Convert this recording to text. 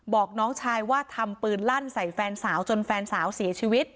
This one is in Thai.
บอกน้องชายว่าทำปืนลั่นใส่แฟนสาวจนแฟนสาวเสียชีวิต